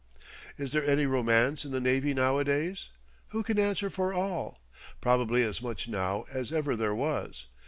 Is there any romance in the navy nowadays? Who can answer for all? Probably as much now as ever there was.